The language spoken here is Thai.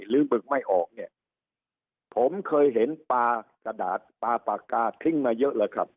หรือมึกไม่ออกเนี่ยผมเคยเห็นปาสะดาดปาปากกาทิ้งมาเยอะเลยครับ